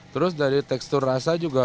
terus dari tekstur rasa juga